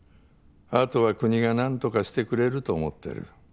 後は国が何とかしてくれると思ってる。